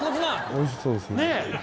おいしそうですね。